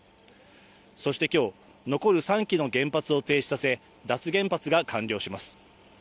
そして今日、残る３基の原発を停止させ、脱原発が完了します。